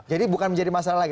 jadi bukan menjadi masalah lagi